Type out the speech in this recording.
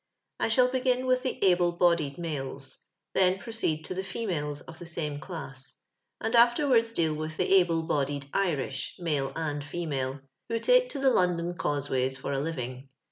I shall begin with the Able bodied Males; then proceed to the Females of the same class ; and afterwards deal 'nith the Able bodied Irish (male and female), who take to the London causeways for a living.